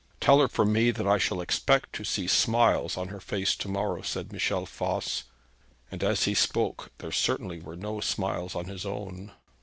'Tell her from me that I shall expect to see smiles on her face to morrow,' said Michel Voss. And as he spoke there certainly were no smiles on his own.